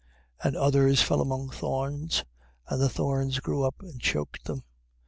13:7. And others fell among thorns: and the thorns grew up and choked them. 13:8.